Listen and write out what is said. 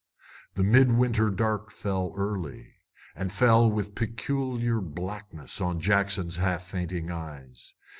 The midwinter dark fell early, and fell with peculiar blackness on Jackson's half fainting eyes.